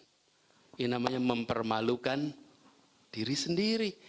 ini namanya mempermalukan diri sendiri